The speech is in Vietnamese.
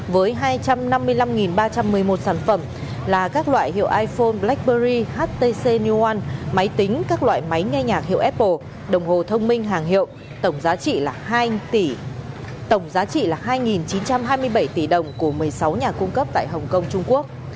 với hai trăm năm mươi năm ba trăm một mươi một sản phẩm là các loại hiệu iphone blackberry htc new one máy tính các loại máy nghe nhạc hiệu apple đồng hồ thông minh hàng hiệu tổng giá trị là hai chín trăm hai mươi bảy tỷ đồng của một mươi sáu nhà cung cấp tại hồng kông trung quốc